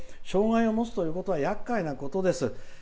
障害を持つということはやっかいなことです。